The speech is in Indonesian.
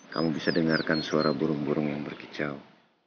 kamu bisa dengarkan suara burung burung yang berkicau